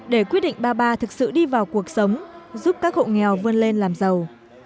để quyết định ba mươi ba thực sự đi vào cuộc sống giúp các hộ nghèo vươn lên làm giàu